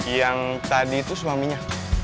yang tadi itu suaminya